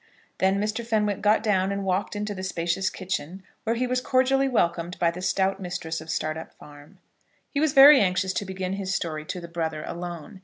Then Mr. Fenwick got down, and walked into the spacious kitchen, where he was cordially welcomed by the stout mistress of Startup Farm. He was very anxious to begin his story to the brother alone.